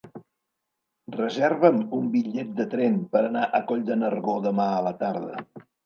Reserva'm un bitllet de tren per anar a Coll de Nargó demà a la tarda.